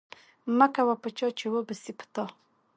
مکوه په چا، چي و به سي په تا